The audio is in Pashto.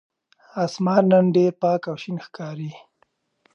آسمان نن ډېر پاک او شین ښکاري.